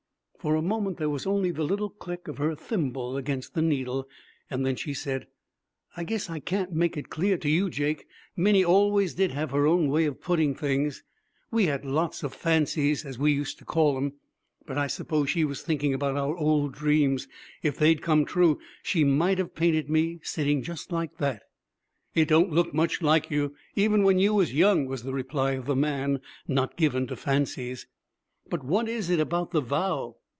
For a moment there was only the little click of her thimble against the needle. Then she said, 'I guess I can't make it clear to you, Jake. Minnie always did have her own way of putting things. We had lots of fancies, as we used to call them. But I suppose she was thinking about our old dreams. If they'd come true, she might have painted me, sitting like that.' 'It don't look much like you, even when you was young,' was the reply of the man, not given to 'fancies'; 'but what is it about the vow?'